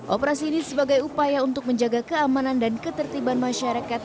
operasi ini sebagai upaya untuk menjaga keamanan dan ketertiban masyarakat